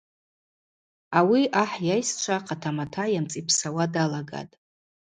Ауи ахӏ йайсчва хъатамата йамцӏипсауа далагатӏ.